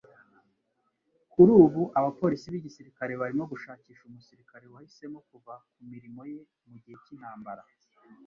Kuri ubu abapolisi b'igisirikare barimo gushakisha umusirikare wahisemo kuva ku mirimo ye mu gihe cy'intambara .